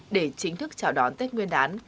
để chính thức chào đón tết nguyên đán